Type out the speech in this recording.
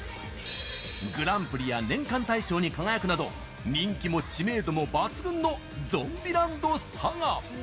グランプリや年間大賞に輝くなど人気も知名度も抜群の「ゾンビランドサガ」。